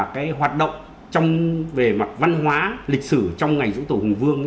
cái hoạt động về mặt văn hóa lịch sử trong ngày dỗ tổ hùng vương